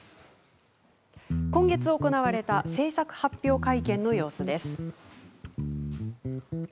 今月行われた制作発表会見の様子です。